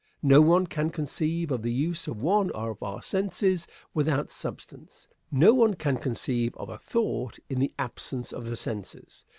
No one can conceive of the use of one of our senses without substance. No one can conceive of a thought in the absence of the senses.